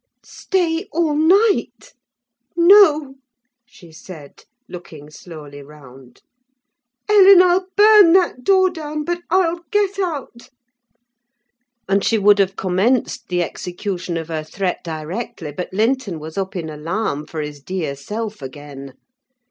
"Stay all night? No," she said, looking slowly round. "Ellen, I'll burn that door down but I'll get out." And she would have commenced the execution of her threat directly, but Linton was up in alarm for his dear self again.